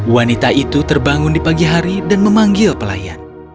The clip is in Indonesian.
wanita itu terbangun di pagi hari dan memanggil pelayan